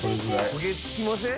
「焦げつきません？」